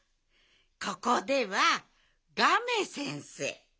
ここでは「ガメ先生」でしょ？